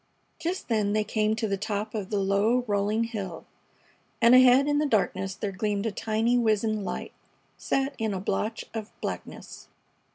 Just then they came to the top of the low, rolling hill, and ahead in the darkness there gleamed a tiny, wizened light set in a blotch of blackness.